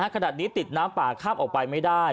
ขนาดนี้ติดน้ำป่าข้ามออกไปไม่ได้